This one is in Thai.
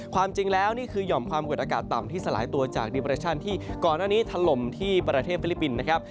ความจริงแล้วนี่คือหย่อมความกดอากาศต่ำที่สลายตัวจากดิเรชั่นที่ก่อนหน้านี้ถล่มที่ประเทศฟิลิปปินส์นะครับ